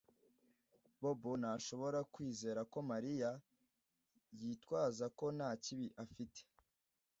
Bobo ntashobora kwizera ko Mariya yitwaza ko nta kibi afite